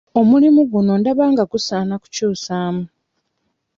Omulimu guno ndaba nga gusaana kukyusaamu.